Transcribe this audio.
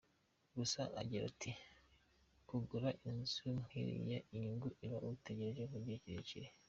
Gusa agira ati “Kugura inzu nk’ iriya inyungu uba uyitegereje mu gihe kirekire”.